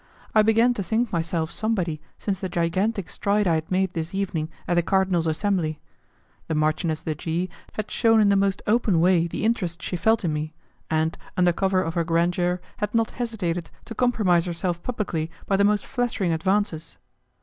I began to think myself somebody since the gigantic stride I had made this evening at the cardinal's assembly. The Marchioness de G. had shewn in the most open way the interest she felt in me, and, under cover of her grandeur, had not hesitated to compromise herself publicly by the most flattering advances.